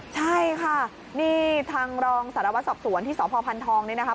ใช่ค่ะนี่ทางรองสารวัตรสอบสวนที่สพพันธองนี่นะคะ